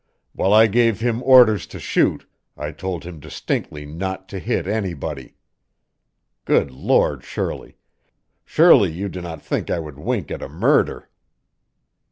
While I gave him orders to shoot, I told him distinctly not to hit anybody. Good Lord, Shirley, surely you do not think I would wink at a murder!"